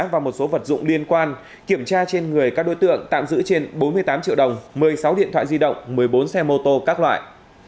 và một số vật dụng liên quan kiểm tra trên người các đối tượng tạm giữ trên bốn mươi tám triệu đồng một mươi sáu điện thoại di động một mươi bốn xe mô tô các loại